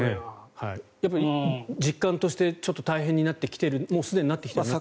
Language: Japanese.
やっぱり実感として大変になってきているもうすでになってきているという。